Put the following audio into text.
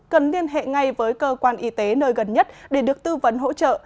cần liên hệ ngay với cơ quan y tế nơi gần nhất để được tư vấn hỗ trợ